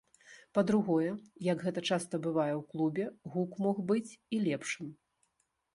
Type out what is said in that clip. Па-другое, як гэта часта бывае ў клубе, гук мог быць і лепшым.